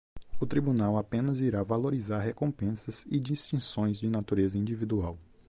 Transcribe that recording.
O Tribunal apenas irá valorizar recompensas e distinções de natureza individual.